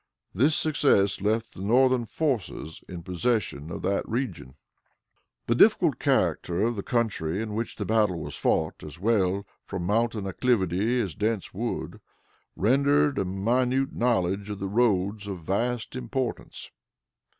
This success left the Northern forces in possession of that region. The difficult character of the country in which the battle was fought, as well from mountain acclivity as dense wood, rendered a minute knowledge of the roads of vast importance.